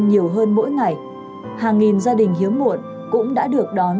nhiều hơn mỗi ngày hàng nghìn gia đình hiếm muộn cũng đã được đón